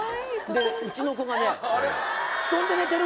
でうちの子がね。